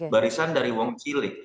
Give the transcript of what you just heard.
barisan dari wong cili